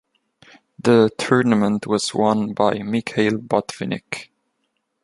The tournament was won by Mikhail Botvinnik.